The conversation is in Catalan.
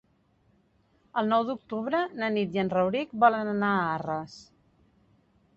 El nou d'octubre na Nit i en Rauric volen anar a Arres.